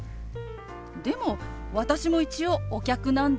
でも私も一応お客なんですけど。